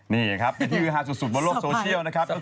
นี่ครับเป็นที่ฮือฮาสุดบนโลกโซเชียลนะครับ